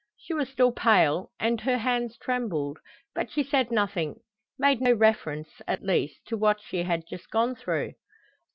She was still pale, and her hands trembled, but she said nothing, made no reference, at least, to what she had just gone through.